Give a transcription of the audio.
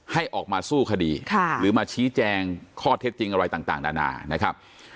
ให้ออกมาสู้คดีหรือมาชี้แจงข้อเท็จจริงอะไรต่างนานานะครับ